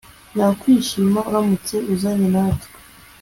Nakwishima uramutse uzanye natwe